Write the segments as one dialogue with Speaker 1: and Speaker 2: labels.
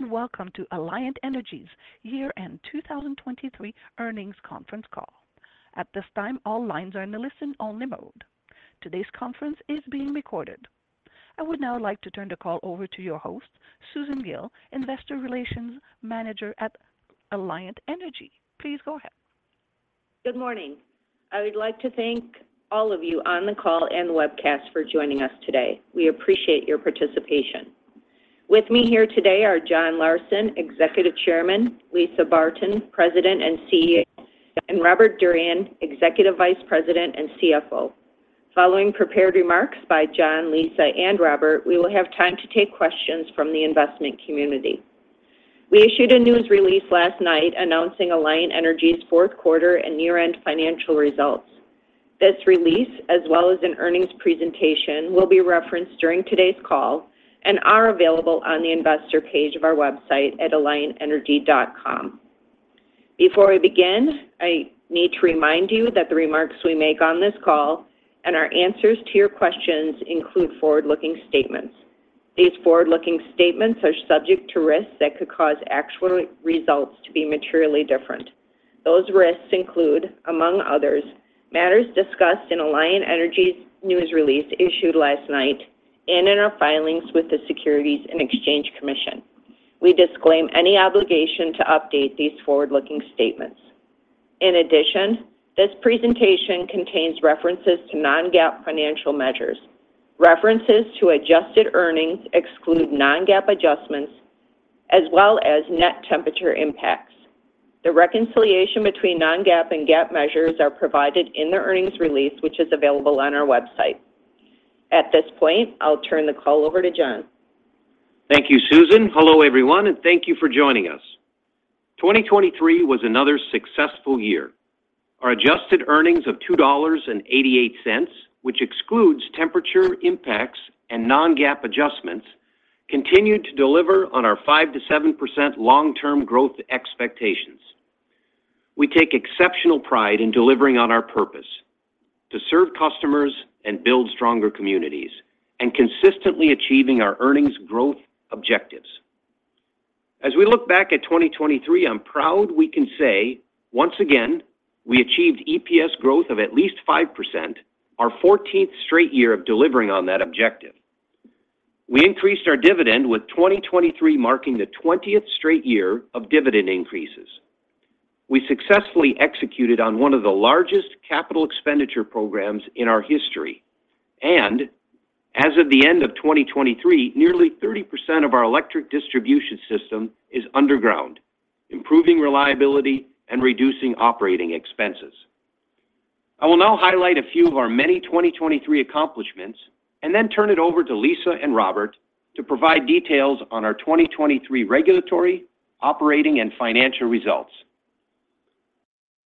Speaker 1: Welcome to Alliant Energy's year-end 2023 earnings conference call. At this time, all lines are in the listen-only mode. Today's conference is being recorded. I would now like to turn the call over to your host, Susan Gille, Investor Relations Manager at Alliant Energy. Please go ahead.
Speaker 2: Good morning. I would like to thank all of you on the call and webcast for joining us today. We appreciate your participation. With me here today are John Larsen, Executive Chairman; Lisa Barton, President and CEO; and Robert Durian, Executive Vice President and CFO. Following prepared remarks by John, Lisa, and Robert, we will have time to take questions from the investment community. We issued a news release last night announcing Alliant Energy's fourth quarter and year-end financial results. This release, as well as an earnings presentation, will be referenced during today's call and are available on the investor page of our website at alliantenergy.com. Before we begin, I need to remind you that the remarks we make on this call and our answers to your questions include forward-looking statements. These forward-looking statements are subject to risks that could cause actual results to be materially different. Those risks include, among others, matters discussed in Alliant Energy's news release issued last night and in our filings with the Securities and Exchange Commission. We disclaim any obligation to update these forward-looking statements. In addition, this presentation contains references to non-GAAP financial measures. References to adjusted earnings exclude non-GAAP adjustments, as well as net temperature impacts. The reconciliation between non-GAAP and GAAP measures are provided in the earnings release, which is available on our website. At this point, I'll turn the call over to John.
Speaker 3: Thank you, Susan. Hello, everyone, and thank you for joining us. 2023 was another successful year. Our adjusted earnings of $2.88, which excludes temperature impacts and non-GAAP adjustments, continued to deliver on our 5%-7% long-term growth expectations. We take exceptional pride in delivering on our purpose: to serve customers and build stronger communities, and consistently achieving our earnings growth objectives. As we look back at 2023, I'm proud we can say, once again, we achieved EPS growth of at least 5%, our 14th straight year of delivering on that objective. We increased our dividend, with 2023 marking the 20th straight year of dividend increases. We successfully executed on one of the largest capital expenditure programs in our history, and, as of the end of 2023, nearly 30% of our electric distribution system is underground, improving reliability and reducing operating expenses. I will now highlight a few of our many 2023 accomplishments and then turn it over to Lisa and Robert to provide details on our 2023 regulatory, operating, and financial results.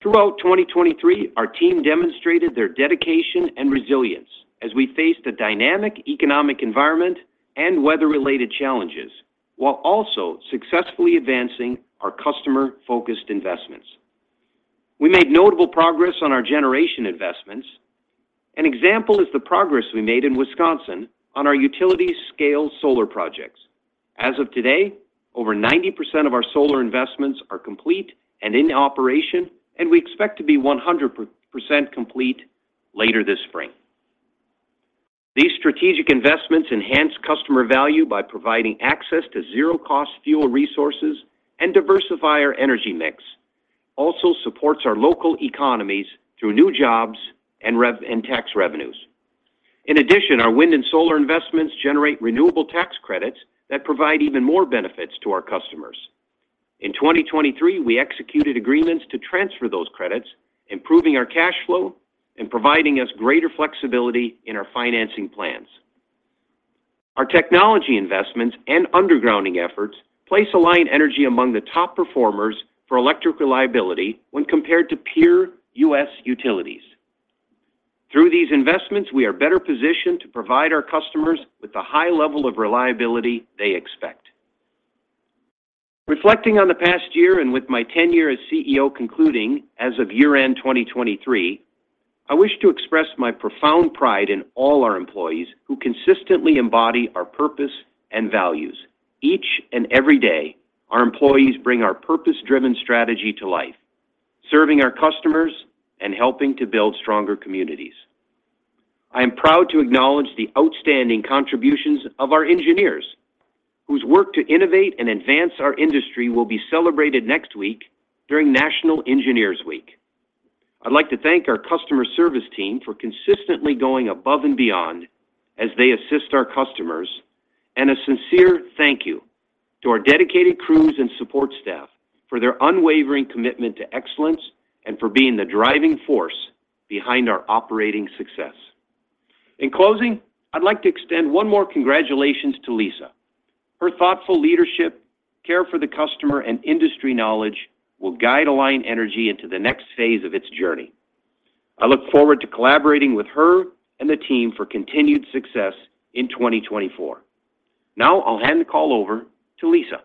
Speaker 3: Throughout 2023, our team demonstrated their dedication and resilience as we faced a dynamic economic environment and weather-related challenges, while also successfully advancing our customer-focused investments. We made notable progress on our generation investments. An example is the progress we made in Wisconsin on our utility-scale solar projects. As of today, over 90% of our solar investments are complete and in operation, and we expect to be 100% complete later this spring. These strategic investments enhance customer value by providing access to zero-cost fuel resources and diversify our energy mix, also supports our local economies through new jobs and tax revenues. In addition, our wind and solar investments generate renewable tax credits that provide even more benefits to our customers. In 2023, we executed agreements to transfer those credits, improving our cash flow and providing us greater flexibility in our financing plans. Our technology investments and undergrounding efforts place Alliant Energy among the top performers for electric reliability when compared to peer U.S. utilities. Through these investments, we are better positioned to provide our customers with the high level of reliability they expect. Reflecting on the past year and with my tenure as CEO concluding as of year-end 2023, I wish to express my profound pride in all our employees who consistently embody our purpose and values. Each and every day, our employees bring our purpose-driven strategy to life, serving our customers and helping to build stronger communities. I am proud to acknowledge the outstanding contributions of our engineers, whose work to innovate and advance our industry will be celebrated next week during National Engineers' Week. I'd like to thank our customer service team for consistently going above and beyond as they assist our customers, and a sincere thank you to our dedicated crews and support staff for their unwavering commitment to excellence and for being the driving force behind our operating success. In closing, I'd like to extend one more congratulations to Lisa. Her thoughtful leadership, care for the customer, and industry knowledge will guide Alliant Energy into the next phase of its journey. I look forward to collaborating with her and the team for continued success in 2024. Now I'll hand the call over to Lisa.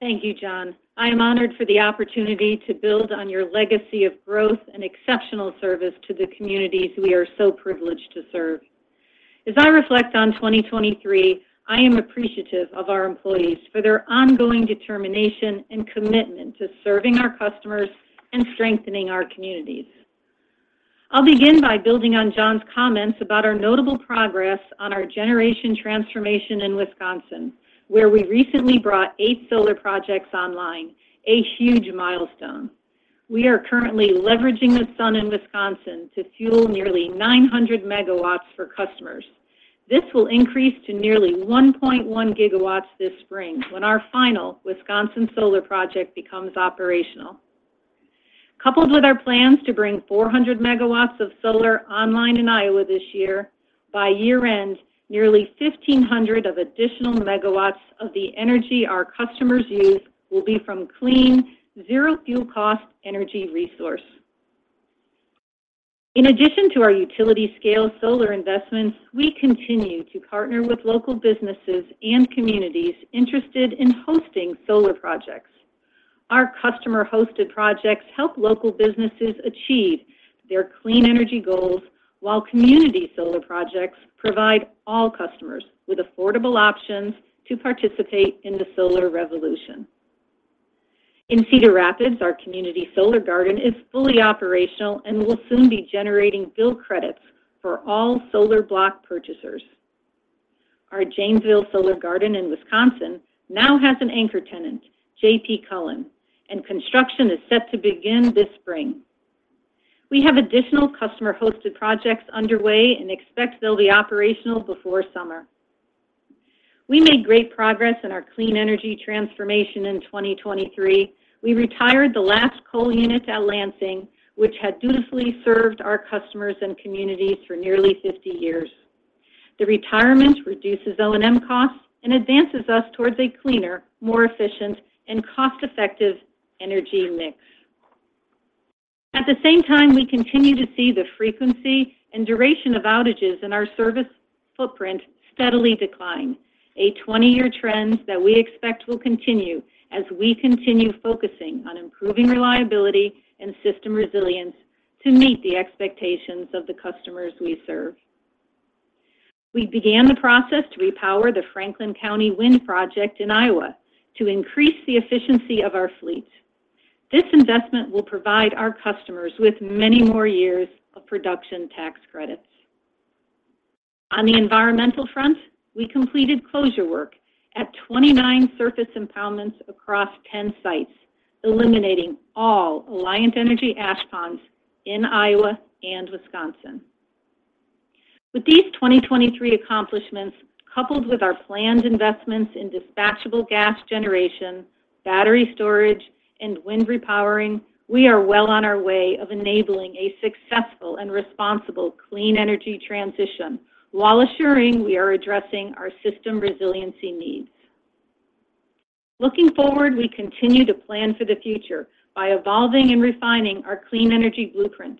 Speaker 4: Thank you, John. I am honored for the opportunity to build on your legacy of growth and exceptional service to the communities we are so privileged to serve. As I reflect on 2023, I am appreciative of our employees for their ongoing determination and commitment to serving our customers and strengthening our communities. I'll begin by building on John's comments about our notable progress on our generation transformation in Wisconsin, where we recently brought 8 solar projects online, a huge milestone. We are currently leveraging the sun in Wisconsin to fuel nearly 900 MW for customers. This will increase to nearly 1.1 GW this spring when our final Wisconsin solar project becomes operational. Coupled with our plans to bring 400 MW of solar online in Iowa this year, by year-end, nearly 1,500 additional MW of the energy our customers use will be from clean, zero-fuel-cost energy resource. In addition to our utility-scale solar investments, we continue to partner with local businesses and communities interested in hosting solar projects. Our customer-hosted projects help local businesses achieve their clean energy goals, while community solar projects provide all customers with affordable options to participate in the solar revolution. In Cedar Rapids, our community solar garden is fully operational and will soon be generating bill credits for all solar block purchasers. Our Janesville solar garden in Wisconsin now has an anchor tenant, J.P. Cullen, and construction is set to begin this spring. We have additional customer-hosted projects underway and expect they'll be operational before summer. We made great progress in our clean energy transformation in 2023. We retired the last coal unit at Lansing, which had dutifully served our customers and communities for nearly 50 years. The retirement reduces O&M costs and advances us towards a cleaner, more efficient, and cost-effective energy mix. At the same time, we continue to see the frequency and duration of outages in our service footprint steadily decline, a 20-year trend that we expect will continue as we continue focusing on improving reliability and system resilience to meet the expectations of the customers we serve. We began the process to repower the Franklin County Wind Project in Iowa to increase the efficiency of our fleet. This investment will provide our customers with many more years of production tax credits. On the environmental front, we completed closure work at 29 surface impoundments across 10 sites, eliminating all Alliant Energy ash ponds in Iowa and Wisconsin. With these 2023 accomplishments, coupled with our planned investments in dispatchable gas generation, battery storage, and wind repowering, we are well on our way of enabling a successful and responsible clean energy transition while assuring we are addressing our system resiliency needs. Looking forward, we continue to plan for the future by evolving and refining our Clean Energy Blueprint,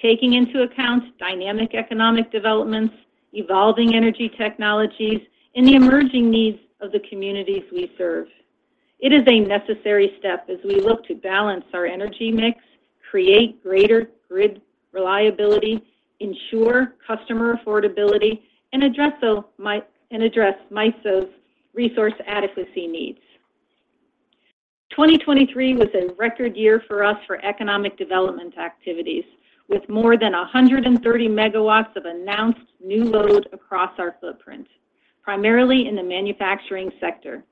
Speaker 4: taking into account dynamic economic developments, evolving energy technologies, and the emerging needs of the communities we serve. It is a necessary step as we look to balance our energy mix, create greater grid reliability, ensure customer affordability, and address MISO's resource adequacy needs. 2023 was a record year for us for economic development activities, with more than 130 MW of announced new load across our footprint, primarily in the manufacturing sector.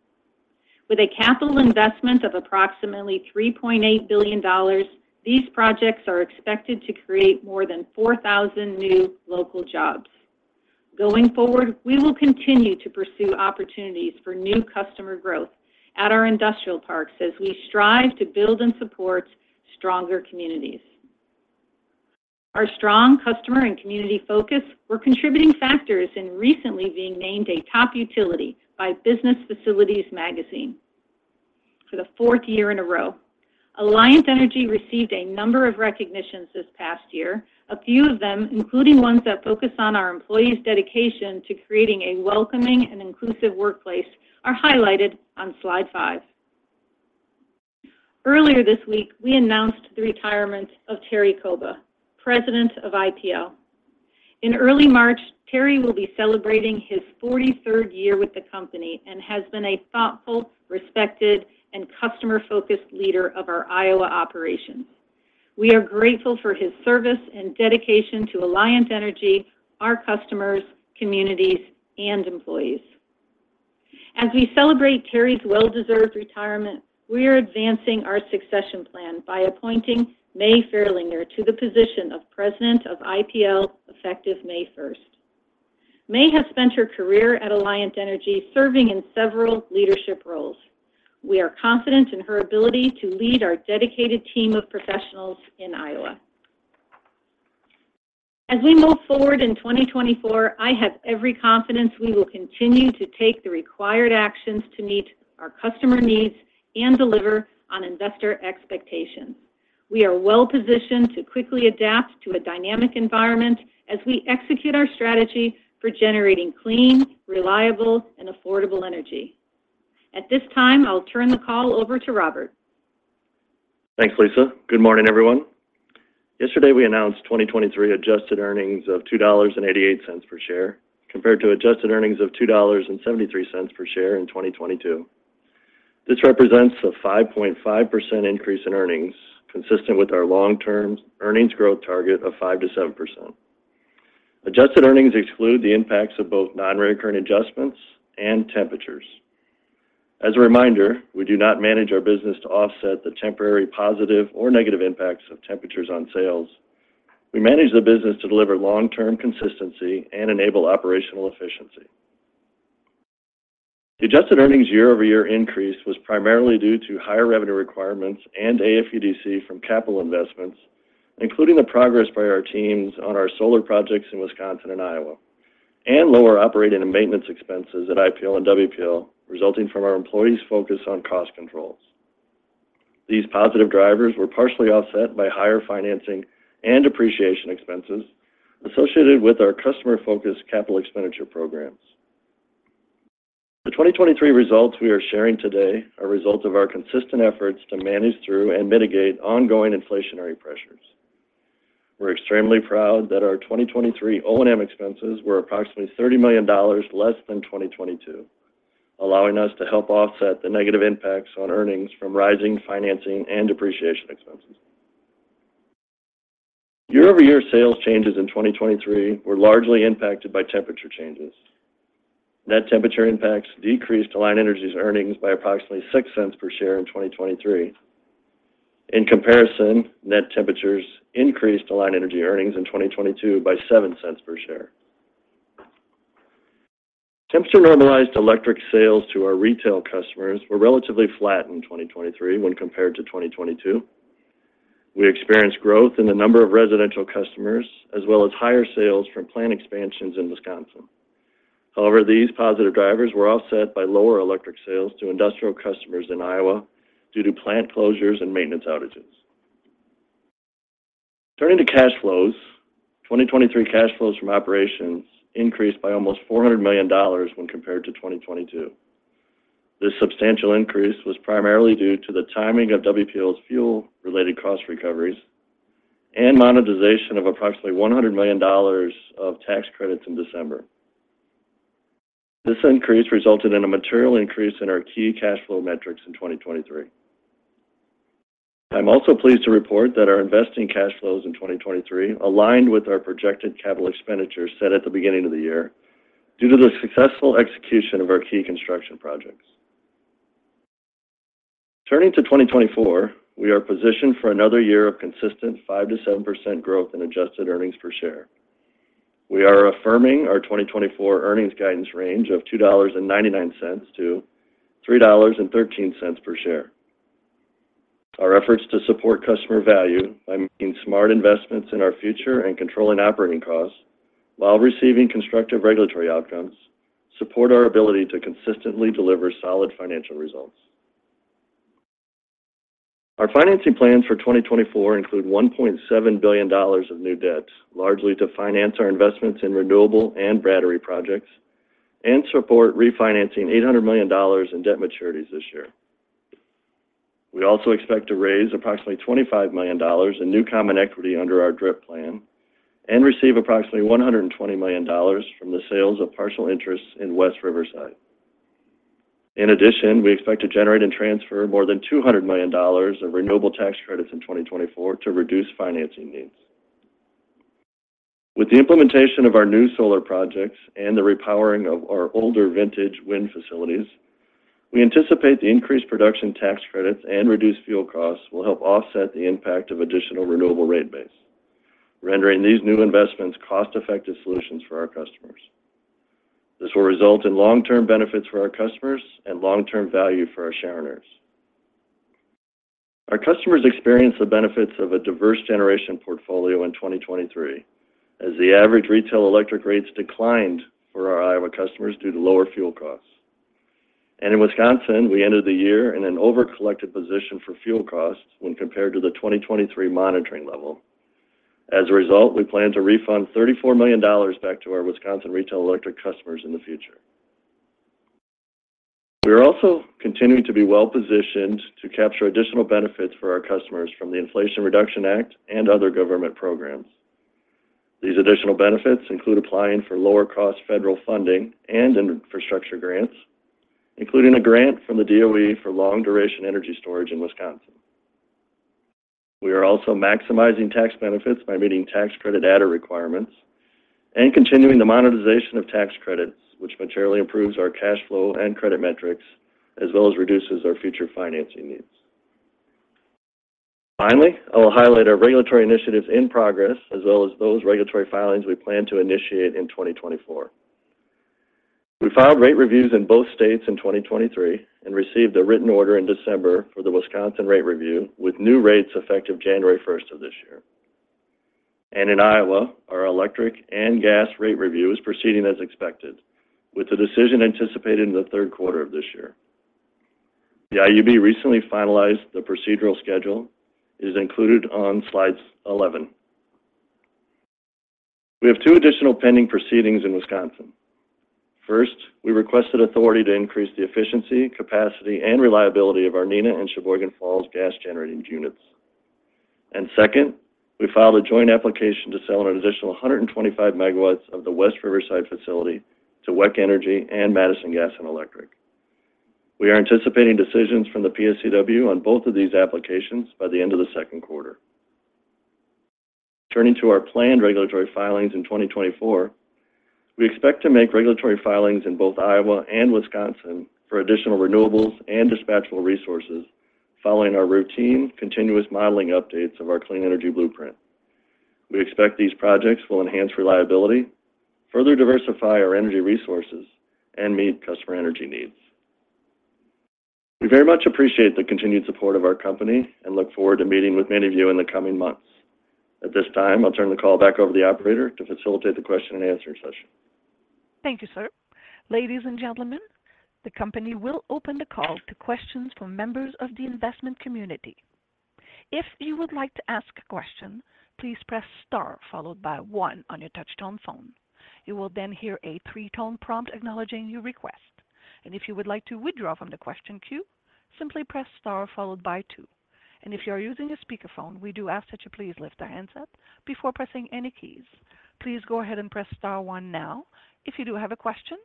Speaker 4: With a capital investment of approximately $3.8 billion, these projects are expected to create more than 4,000 new local jobs. Going forward, we will continue to pursue opportunities for new customer growth at our industrial parks as we strive to build and support stronger communities. Our strong customer and community focus were contributing factors in recently being named a top utility by Business Facilities Magazine. For the fourth year in a row, Alliant Energy received a number of recognitions this past year. A few of them, including ones that focus on our employees' dedication to creating a welcoming and inclusive workplace, are highlighted on slide 5. Earlier this week, we announced the retirement of Terry Kouba, President of IPL. In early March, Terry will be celebrating his 43rd year with the company and has been a thoughtful, respected, and customer-focused leader of our Iowa operations. We are grateful for his service and dedication to Alliant Energy, our customers, communities, and employees. As we celebrate Terry's well-deserved retirement, we are advancing our succession plan by appointing May Farlinger to the position of President of IPL effective May 1st. May has spent her career at Alliant Energy serving in several leadership roles. We are confident in her ability to lead our dedicated team of professionals in Iowa. As we move forward in 2024, I have every confidence we will continue to take the required actions to meet our customer needs and deliver on investor expectations. We are well positioned to quickly adapt to a dynamic environment as we execute our strategy for generating clean, reliable, and affordable energy. At this time, I'll turn the call over to Robert.
Speaker 5: Thanks, Lisa. Good morning, everyone. Yesterday, we announced 2023 adjusted earnings of $2.88 per share compared to adjusted earnings of $2.73 per share in 2022. This represents a 5.5% increase in earnings, consistent with our long-term earnings growth target of 5%-7%. Adjusted earnings exclude the impacts of both non-recurrent adjustments and temperatures. As a reminder, we do not manage our business to offset the temporary positive or negative impacts of temperatures on sales. We manage the business to deliver long-term consistency and enable operational efficiency. The adjusted earnings year-over-year increase was primarily due to higher revenue requirements and AFUDC from capital investments, including the progress by our teams on our solar projects in Wisconsin and Iowa, and lower operating and maintenance expenses at IPL and WPL resulting from our employees' focus on cost controls. These positive drivers were partially offset by higher financing and appreciation expenses associated with our customer-focused capital expenditure programs. The 2023 results we are sharing today are a result of our consistent efforts to manage through and mitigate ongoing inflationary pressures. We're extremely proud that our 2023 O&M expenses were approximately $30 million less than 2022, allowing us to help offset the negative impacts on earnings from rising financing and appreciation expenses. Year-over-year sales changes in 2023 were largely impacted by temperature changes. Net temperature impacts decreased Alliant Energy's earnings by approximately $0.06 per share in 2023. In comparison, net temperatures increased Alliant Energy earnings in 2022 by $0.07 per share. Temperature-normalized electric sales to our retail customers were relatively flat in 2023 when compared to 2022. We experienced growth in the number of residential customers as well as higher sales from plant expansions in Wisconsin. However, these positive drivers were offset by lower electric sales to industrial customers in Iowa due to plant closures and maintenance outages. Turning to cash flows, 2023 cash flows from operations increased by almost $400 million when compared to 2022. This substantial increase was primarily due to the timing of WPL's fuel-related cost recoveries and monetization of approximately $100 million of tax credits in December. This increase resulted in a material increase in our key cash flow metrics in 2023. I'm also pleased to report that our investing cash flows in 2023 aligned with our projected capital expenditure set at the beginning of the year due to the successful execution of our key construction projects. Turning to 2024, we are positioned for another year of consistent 5%-7% growth in adjusted earnings per share. We are affirming our 2024 earnings guidance range of $2.99-$3.13 per share. Our efforts to support customer value by making smart investments in our future and controlling operating costs while receiving constructive regulatory outcomes support our ability to consistently deliver solid financial results. Our financing plans for 2024 include $1.7 billion of new debt, largely to finance our investments in renewable and battery projects, and support refinancing $800 million in debt maturities this year. We also expect to raise approximately $25 million in new common equity under our DRIP plan and receive approximately $120 million from the sales of partial interests in West Riverside. In addition, we expect to generate and transfer more than $200 million of renewable tax credits in 2024 to reduce financing needs. With the implementation of our new solar projects and the repowering of our older vintage wind facilities, we anticipate the increased production tax credits and reduced fuel costs will help offset the impact of additional renewable rate base, rendering these new investments cost-effective solutions for our customers. This will result in long-term benefits for our customers and long-term value for our shareholders. Our customers experience the benefits of a diverse generation portfolio in 2023 as the average retail electric rates declined for our Iowa customers due to lower fuel costs. In Wisconsin, we ended the year in an over-collected position for fuel costs when compared to the 2023 monitoring level. As a result, we plan to refund $34 million back to our Wisconsin retail electric customers in the future. We are also continuing to be well positioned to capture additional benefits for our customers from the Inflation Reduction Act and other government programs. These additional benefits include applying for lower-cost federal funding and infrastructure grants, including a grant from the DOE for long-duration energy storage in Wisconsin. We are also maximizing tax benefits by meeting tax credit PWA requirements and continuing the monetization of tax credits, which materially improves our cash flow and credit metrics as well as reduces our future financing needs. Finally, I will highlight our regulatory initiatives in progress as well as those regulatory filings we plan to initiate in 2024. We filed rate reviews in both states in 2023 and received a written order in December for the Wisconsin rate review, with new rates effective January 1st of this year. In Iowa, our electric and gas rate review is proceeding as expected, with the decision anticipated in the third quarter of this year. The IUB recently finalized the procedural schedule. It is included on slide 11. We have two additional pending proceedings in Wisconsin. First, we requested authority to increase the efficiency, capacity, and reliability of our Neenah and Sheboygan Falls gas generating units. And second, we filed a joint application to sell an additional 125 MW of the West Riverside facility to WEC Energy and Madison Gas and Electric. We are anticipating decisions from the PSCW on both of these applications by the end of the second quarter. Turning to our planned regulatory filings in 2024, we expect to make regulatory filings in both Iowa and Wisconsin for additional renewables and dispatchable resources following our routine continuous modeling updates of our Clean Energy Blueprint. We expect these projects will enhance reliability, further diversify our energy resources, and meet customer energy needs. We very much appreciate the continued support of our company and look forward to meeting with many of you in the coming months. At this time, I'll turn the call back over to the operator to facilitate the question-and-answer session.
Speaker 1: Thank you, sir. Ladies and gentlemen, the company will open the call to questions from members of the investment community. If you would like to ask a question, please press star followed by one on your touch-tone phone. You will then hear a three-tone prompt acknowledging your request. And if you would like to withdraw from the question queue, simply press star followed by two. And if you are using a speakerphone, we do ask that you please lift your handset before pressing any keys. Please go ahead and press star one now if you do have a question.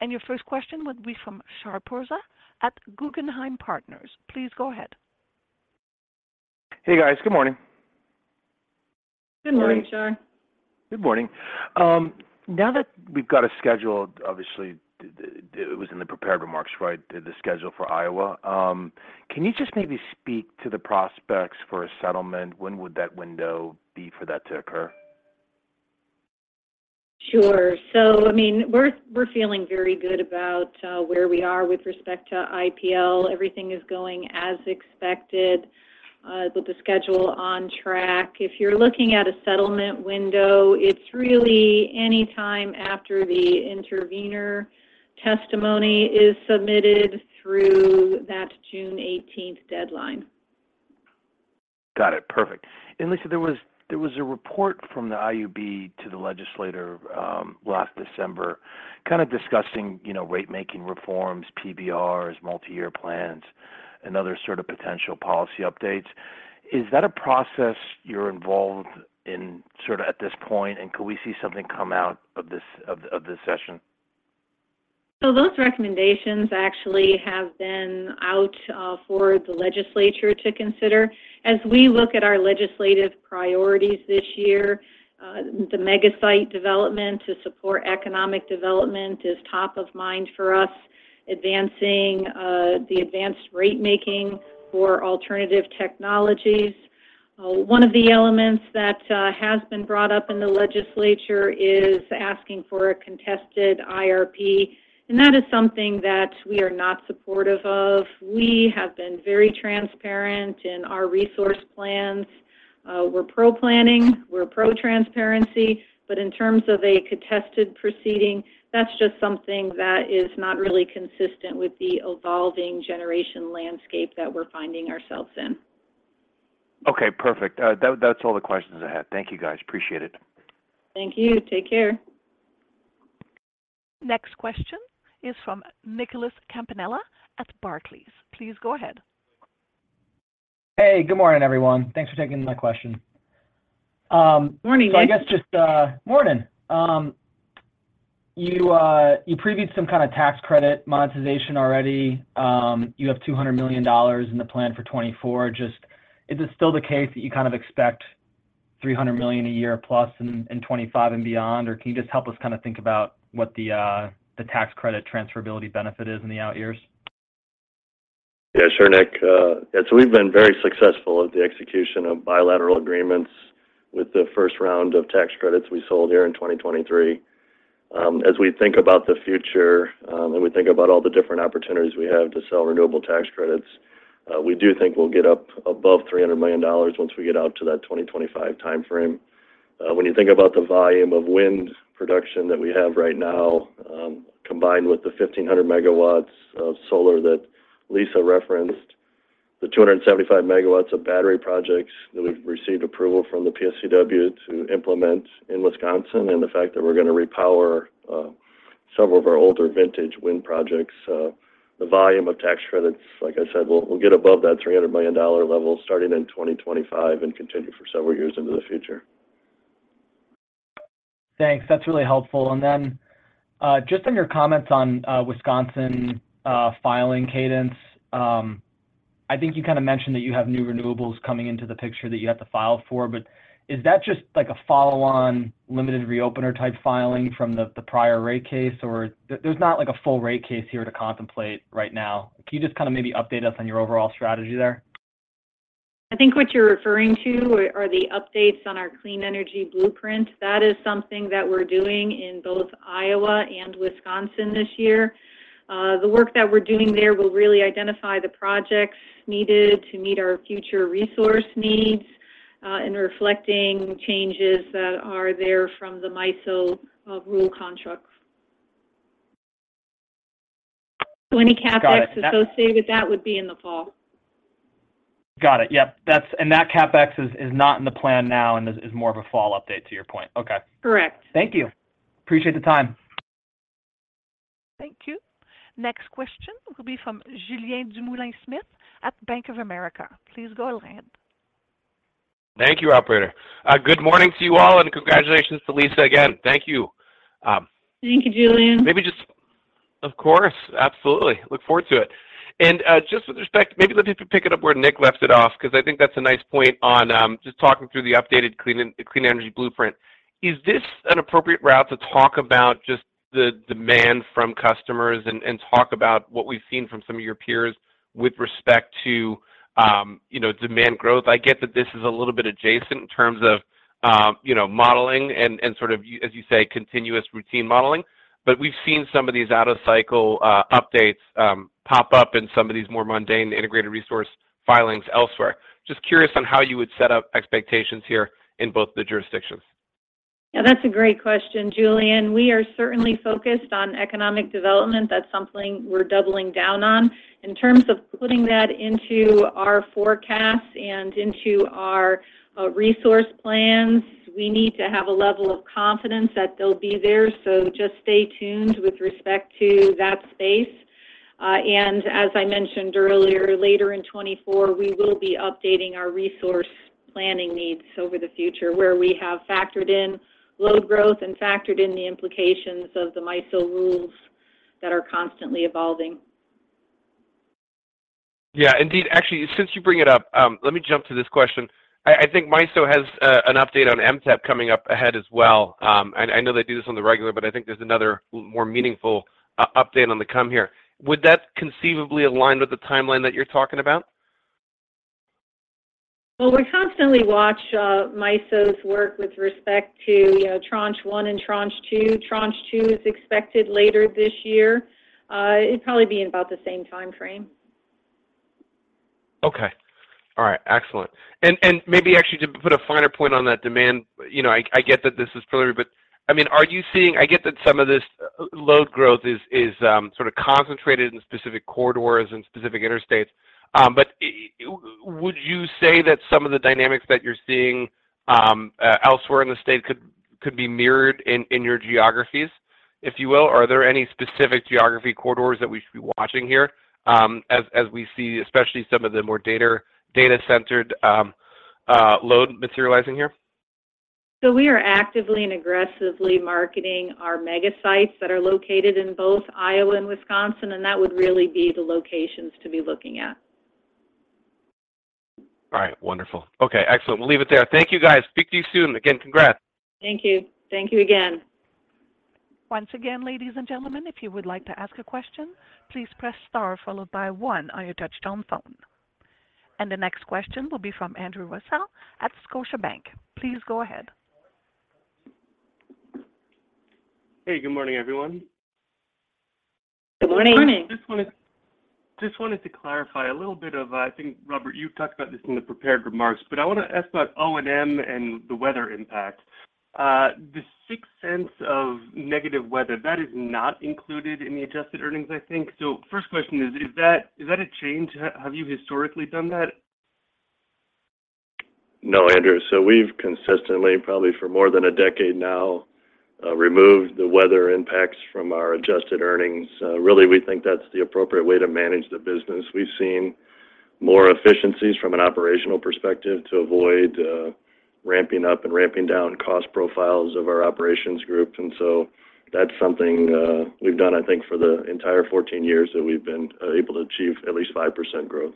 Speaker 1: And your first question would be from Shar Pourreza at Guggenheim Partners. Please go ahead.
Speaker 6: Hey, guys. Good morning.
Speaker 4: Good morning, Shar.
Speaker 6: Good morning. Now that we've got a schedule, obviously, it was in the prepared remarks, right, the schedule for Iowa. Can you just maybe speak to the prospects for a settlement? When would that window be for that to occur?
Speaker 4: Sure. So I mean, we're feeling very good about where we are with respect to IPL. Everything is going as expected. We'll be scheduled on track. If you're looking at a settlement window, it's really anytime after the intervenor testimony is submitted through that June 18th deadline.
Speaker 6: Got it. Perfect. And Lisa, there was a report from the IUB to the legislature last December kind of discussing ratemaking reforms, PBRs, multi-year plans, and other sort of potential policy updates. Is that a process you're involved in sort of at this point? And could we see something come out of this session?
Speaker 4: Those recommendations actually have been out for the legislature to consider. As we look at our legislative priorities this year, the mega-site development to support economic development is top of mind for us, the advanced rate-making for alternative technologies. One of the elements that has been brought up in the legislature is asking for a contested IRP. That is something that we are not supportive of. We have been very transparent in our resource plans. We're pro-planning. We're pro-transparency. But in terms of a contested proceeding, that's just something that is not really consistent with the evolving generation landscape that we're finding ourselves in.
Speaker 6: Okay. Perfect. That's all the questions I had. Thank you, guys. Appreciate it.
Speaker 4: Thank you. Take care.
Speaker 1: Next question is from Nicholas Campanella at Barclays. Please go ahead.
Speaker 7: Hey. Good morning, everyone. Thanks for taking my question.
Speaker 4: Morning, Nick.
Speaker 7: So, I guess, just morning. You previewed some kind of tax credit monetization already. You have $200 million in the plan for 2024. Is it still the case that you kind of expect $300 million a year plus in 2025 and beyond? Or can you just help us kind of think about what the tax credit transferability benefit is in the out years?
Speaker 5: Yes, sir, Nick. Yeah. So we've been very successful at the execution of bilateral agreements with the first round of tax credits we sold here in 2023. As we think about the future and we think about all the different opportunities we have to sell renewable tax credits, we do think we'll get up above $300 million once we get out to that 2025 timeframe. When you think about the volume of wind production that we have right now combined with the 1,500 megawatts of solar that Lisa referenced, the 275 megawatts of battery projects that we've received approval from the PSCW to implement in Wisconsin, and the fact that we're going to repower several of our older vintage wind projects, the volume of tax credits, like I said, we'll get above that $300 million level starting in 2025 and continue for several years into the future.
Speaker 7: Thanks. That's really helpful. And then just on your comments on Wisconsin filing cadence, I think you kind of mentioned that you have new renewables coming into the picture that you have to file for. But is that just a follow-on limited reopener type filing from the prior rate case? Or there's not a full rate case here to contemplate right now? Can you just kind of maybe update us on your overall strategy there?
Speaker 4: I think what you're referring to are the updates on our Clean Energy Blueprint. That is something that we're doing in both Iowa and Wisconsin this year. The work that we're doing there will really identify the projects needed to meet our future resource needs and reflecting changes that are there from the MISO rule construct. So any CapEx associated with that would be in the fall.
Speaker 7: Got it. Yep. And that CapEx is not in the plan now and is more of a fall update to your point. Okay.
Speaker 4: Correct.
Speaker 7: Thank you. Appreciate the time.
Speaker 1: Thank you. Next question will be from Julien Dumoulin-Smith at Bank of America. Please go ahead and read.
Speaker 8: Thank you, operator. Good morning to you all, and congratulations to Lisa again. Thank you.
Speaker 4: Thank you, Julien.
Speaker 8: Of course. Absolutely. Look forward to it. Just with respect, maybe let me pick it up where Nick left it off because I think that's a nice point on just talking through the updated Clean Energy Blueprint. Is this an appropriate route to talk about just the demand from customers and talk about what we've seen from some of your peers with respect to demand growth? I get that this is a little bit adjacent in terms of modeling and sort of, as you say, continuous routine modeling. But we've seen some of these out-of-cycle updates pop up in some of these more mundane integrated resource filings elsewhere. Just curious on how you would set up expectations here in both the jurisdictions.
Speaker 4: Yeah. That's a great question, Julien. We are certainly focused on economic development. That's something we're doubling down on. In terms of putting that into our forecasts and into our resource plans, we need to have a level of confidence that they'll be there. So just stay tuned with respect to that space. And as I mentioned earlier, later in 2024, we will be updating our resource planning needs over the future where we have factored in load growth and factored in the implications of the MISO rules that are constantly evolving.
Speaker 8: Yeah. Indeed. Actually, since you bring it up, let me jump to this question. I think MISO has an update on MTEP coming up ahead as well. And I know they do this on the regular, but I think there's another more meaningful update on the come here. Would that conceivably align with the timeline that you're talking about?
Speaker 4: Well, we constantly watch MISO's work with respect to Tranche 1 and Tranche 2. Tranche two is expected later this year. It'd probably be in about the same timeframe.
Speaker 8: Okay. All right. Excellent. And maybe actually to put a finer point on that demand, I get that this is preliminary. But I mean, are you seeing—I get that some of this load growth is sort of concentrated in specific corridors and specific interstates. But would you say that some of the dynamics that you're seeing elsewhere in the state could be mirrored in your geographies, if you will? Are there any specific geographic corridors that we should be watching here as we see, especially some of the more data center load materializing here?
Speaker 4: We are actively and aggressively marketing our mega-sites that are located in both Iowa and Wisconsin. That would really be the locations to be looking at.
Speaker 8: All right. Wonderful. Okay. Excellent. We'll leave it there. Thank you, guys. Speak to you soon. Again, congrats.
Speaker 4: Thank you. Thank you again.
Speaker 1: Once again, ladies and gentlemen, if you would like to ask a question, please press star followed by one on your touch-tone phone. The next question will be from Andrew Russell at Scotiabank. Please go ahead.
Speaker 9: Hey. Good morning, everyone.
Speaker 5: Good morning.
Speaker 4: Good morning.
Speaker 9: Just wanted to clarify a little bit. I think, Robert, you talked about this in the prepared remarks. But I want to ask about O&M and the weather impact. The 6 cents of negative weather, that is not included in the adjusted earnings, I think. So first question is, is that a change? Have you historically done that?
Speaker 5: No, Andrew. So we've consistently, probably for more than a decade now, removed the weather impacts from our adjusted earnings. Really, we think that's the appropriate way to manage the business. We've seen more efficiencies from an operational perspective to avoid ramping up and ramping down cost profiles of our operations group. And so that's something we've done, I think, for the entire 14 years that we've been able to achieve at least 5% growth.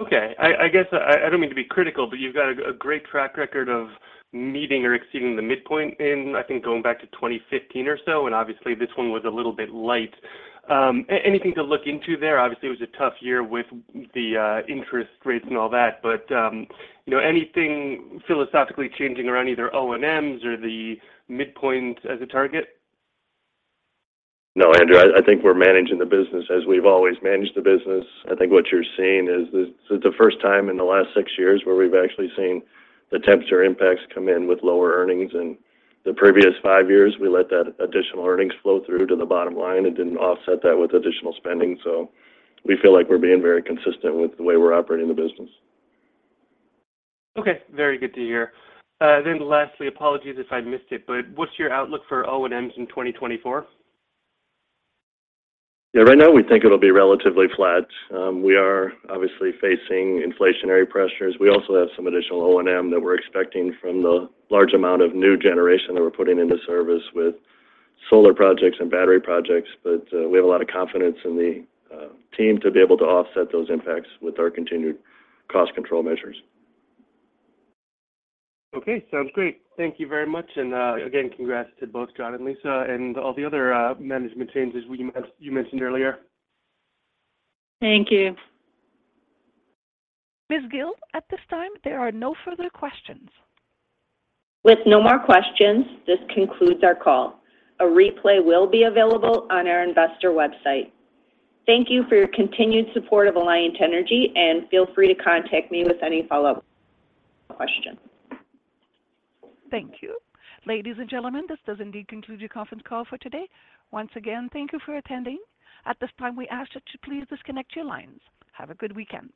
Speaker 9: Okay. I guess I don't mean to be critical, but you've got a great track record of meeting or exceeding the midpoint in, I think, going back to 2015 or so. And obviously, this one was a little bit light. Anything to look into there? Obviously, it was a tough year with the interest rates and all that. But anything philosophically changing around either O&Ms or the midpoint as a target?
Speaker 5: No, Andrew. I think we're managing the business as we've always managed the business. I think what you're seeing is this is the first time in the last six years where we've actually seen the temperature impacts come in with lower earnings. The previous five years, we let that additional earnings flow through to the bottom line and didn't offset that with additional spending. We feel like we're being very consistent with the way we're operating the business.
Speaker 9: Okay. Very good to hear. Then lastly, apologies if I missed it, but what's your outlook for O&Ms in 2024?
Speaker 5: Yeah. Right now, we think it'll be relatively flat. We are obviously facing inflationary pressures. We also have some additional O&M that we're expecting from the large amount of new generation that we're putting into service with solar projects and battery projects. But we have a lot of confidence in the team to be able to offset those impacts with our continued cost control measures.
Speaker 9: Okay. Sounds great. Thank you very much. And again, congrats to both John and Lisa and all the other management changes you mentioned earlier.
Speaker 4: Thank you.
Speaker 1: Ms. Gille, at this time, there are no further questions.
Speaker 2: With no more questions, this concludes our call. A replay will be available on our investor website. Thank you for your continued support of Alliant Energy. Feel free to contact me with any follow-up questions.
Speaker 1: Thank you. Ladies and gentlemen, this does indeed conclude your conference call for today. Once again, thank you for attending. At this time, we ask that you please disconnect your lines. Have a good weekend.